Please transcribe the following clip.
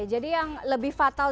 jadi yang lebih fatal dari pak cahyo